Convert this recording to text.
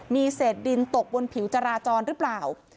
มีเศษดินตกบนผิวจราจรหรือเปล่า